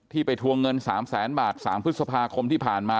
ไปทวงเงิน๓แสนบาท๓พฤษภาคมที่ผ่านมา